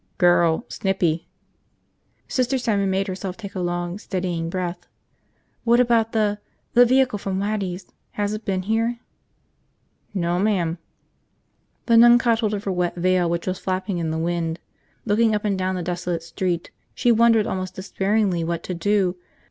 "Girl. Snippy." Sister Simon made herself take a long, steadying breath. "What about the – the vehicle from Waddy's? Has it been here?" "No, ma'am." The nun caught hold of her wet veil which was flapping in the wind. Looking up and down the desolate street, she wondered almost despairingly what to do.